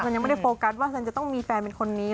ยังไม่ได้โฟกัสว่าฉันจะต้องมีแฟนเป็นคนนี้